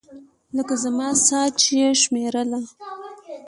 لکه زما ساه چې يې شمېرله.